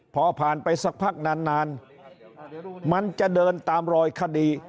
พอผ่านไปสักพักนานมันจะเดินตามรอยคดี